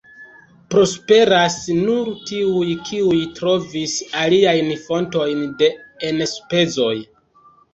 Prosperas nur tiuj, kiuj trovis aliajn fontojn de enspezoj.